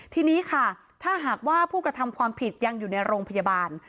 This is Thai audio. ทีนี้ค่ะถ้าหากว่าผู้กระทำความผิดยังอยู่ในโรงพยาบาล